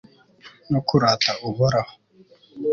no kurata uhoraho